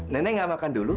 nenek nggak makan dulu